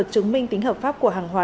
chứng minh tính hợp pháp của hàng hóa